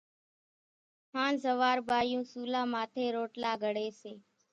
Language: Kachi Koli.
هانز ۿوار ٻايوُن سُولا ماٿيَ روٽلا گھڙيَ سي۔